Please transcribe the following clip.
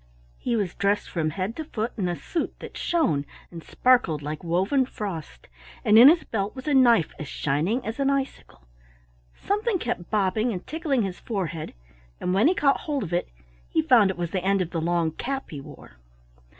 He was dressed from head to foot in a suit that shone and sparkled like woven frost, and in his belt was a knife as shining as an icicle. Something kept bobbing and tickling his forehead, and when he caught hold of it he found it was the end of the long cap he wore.